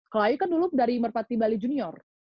kelayu kan dulu dari merpati bali junior